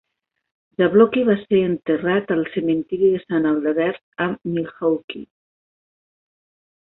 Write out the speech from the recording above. Zablocki va ser enterrat al cementiri de Sant Adalbert, a Milwaukee.